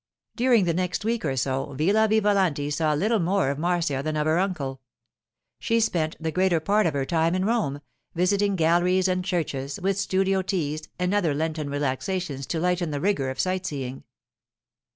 During the next week or so Villa Vivalanti saw little more of Marcia than of her uncle. She spent the greater part of her time in Rome, visiting galleries and churches, with studio teas and other Lenten relaxations to lighten the rigour of sight seeing.